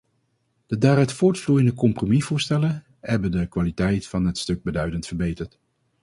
De daaruit voortvloeiende compromisvoorstellen hebben de kwaliteit van het stuk beduidend verbeterd.